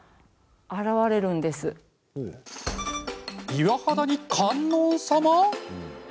岩肌に観音様？